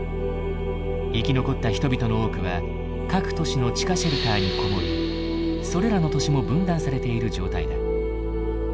生き残った人々の多くは各都市の地下シェルターに籠もりそれらの都市も分断されている状態だ。